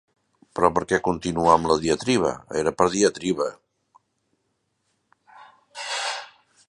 Però per què continuar amb la diatriba, era per diatriba.